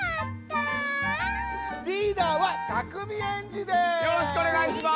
リーダーはたくみエンジです。